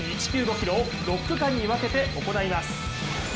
ｋｍを６区間に分けて行います。